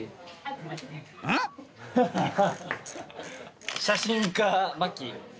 ハハハハ！